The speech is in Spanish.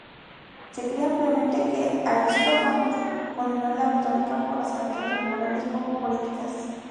Se cree ampliamente que Aristófanes condenó la retórica por razones tanto morales como políticas.